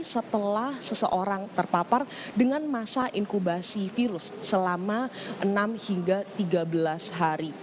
setelah seseorang terpapar dengan masa inkubasi virus selama enam hingga tiga belas hari